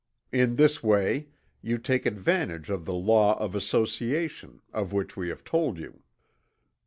In this way you take advantage of the law of association, of which we have told you.